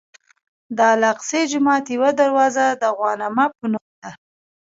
د الاقصی جومات یوه دروازه د غوانمه په نوم ده.